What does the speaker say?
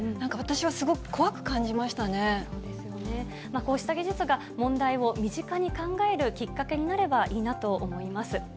こうした技術が問題を身近に考えるきっかけになればいいなと思います。